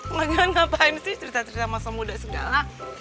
mendingan ngapain sih cerita cerita masa muda segala